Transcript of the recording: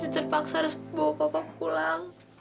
terpaksa harus bawa papa pulang